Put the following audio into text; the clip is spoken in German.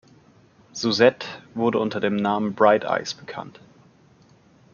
Susette wurde unter dem Namen "Bright Eyes" bekannt.